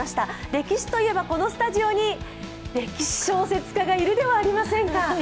歴史といえば、このスタジオに歴史小説家がいるではありませんか。